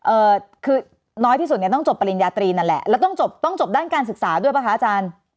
เอ่อคือน้อยที่สุดเนี่ยต้องจบปริญญาตรีนั่นแหละแล้วต้องจบต้องจบด้านการศึกษาด้วยป่ะคะอาจารย์